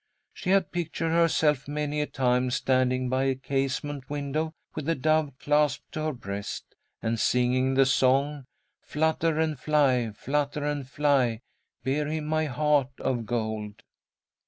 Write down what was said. She had pictured herself many a time, standing by a casement window with a dove clasped to her breast, and singing the song, "Flutter, and fly, flutter, and fly, bear him my heart of gold."